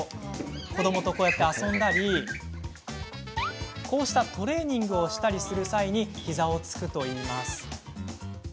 子どもと遊んだりこうしたトレーニングをしたりする際ひざをつくといいます。